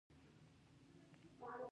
د کریموف کورنۍ په افسانوي ډول شتمن شوي دي.